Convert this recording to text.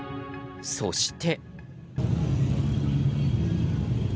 そして。